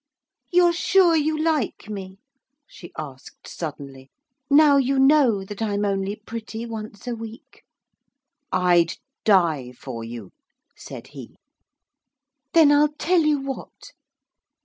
'You're sure you like me,' she asked suddenly, 'now you know that I'm only pretty once a week?' 'I'd die for you,' said he. 'Then I'll tell you what.